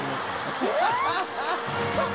・えっ？